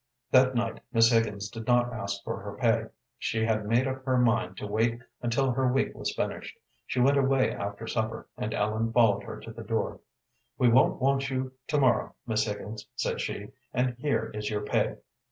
That night Miss Higgins did not ask for her pay; she had made up her mind to wait until her week was finished. She went away after supper, and Ellen followed her to the door. "We won't want you to morrow, Miss Higgins," said she, "and here is your pay."